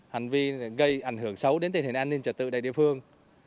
hành vi gây ảnh hưởng xấu đến tình hình an ninh trật tự tại địa phương